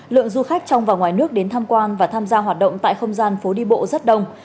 lượng du khách trong và ngoài nước đến tham quan và tham gia hoạt động tại không gian phố đi bộ rất đông